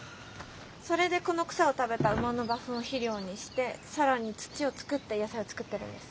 それでこの草を食べた馬の馬ふんを肥料にして更に土を作って野菜を作ってるんです。